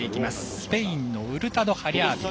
スペインのウルタド、ハリャービン。